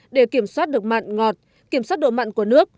để kiểm soát được mặn ngọt kiểm soát độ mặn của nước